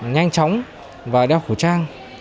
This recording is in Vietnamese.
nhanh chóng và đeo khẩu trang